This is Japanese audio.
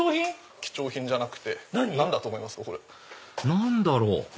何だろう？